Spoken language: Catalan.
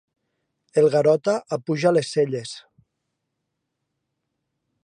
El Garota apuja les celles.